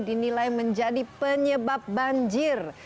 dinilai menjadi penyebab banjir